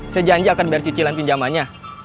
saya janji akan bayar cicilan pinjamannya